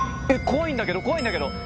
怖いんだけど怖いんだけど。